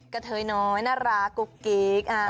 กระเทยน้อยน่ารักกุ๊กกิ๊ก